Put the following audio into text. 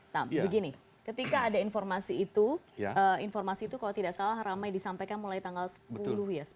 nah begini ketika ada informasi itu informasi itu kalau tidak salah ramai disampaikan mulai tanggal sepuluh ya